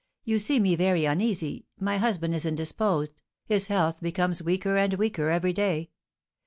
"You see me very uneasy. My husband is indisposed; his health becomes weaker and weaker every day.